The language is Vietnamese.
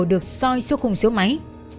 được soi xuống khung số máy